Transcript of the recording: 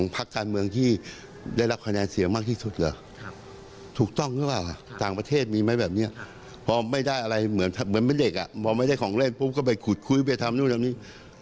เป็นเด็กอ่ะบอกไม่ได้ของเล่นปุ๊บก็ไปขุดคุยไปทำนู่นนี่